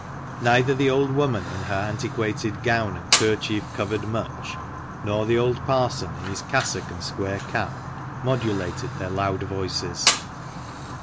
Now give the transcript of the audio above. Neither the old woman in her antiquated gown and kerchief covered mutch, nor the old parson in his cassock and square cap, modulated their loud voices.